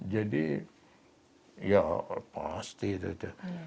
jadi ya pasti itu sudah